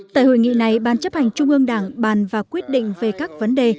tại hội nghị này ban chấp hành trung ương đảng bàn và quyết định về các vấn đề